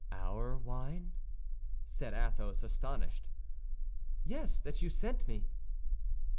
"Our wine!" said Athos, astonished. "Yes, that you sent me."